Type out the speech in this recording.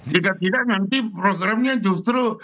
jika tidak nanti programnya justru